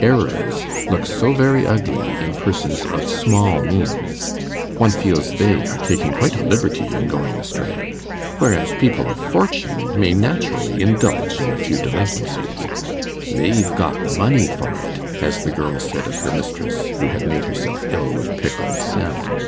Errors look so very ugly in persons of small means one feels they are taking quite a liberty in going astray; whereas people of fortune may naturally indulge in a few delinquencies. 'They've got the money for it,' as the girl said of her mistress who had made herself ill with pickled salmon.